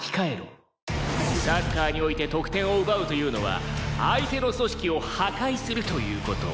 サッカーにおいて得点を奪うというのは相手の組織を破壊するという事。